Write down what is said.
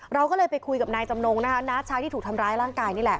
เราก็เลยไปคุยกับนายจำนงนะคะน้าชายที่ถูกทำร้ายร่างกายนี่แหละ